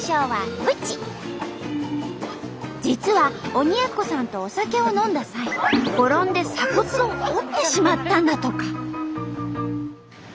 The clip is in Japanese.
実は鬼奴さんとお酒を飲んだ際転んで鎖骨を折ってしまったんだとか。